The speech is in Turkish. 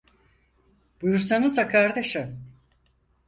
Buyursanıza kardeşim!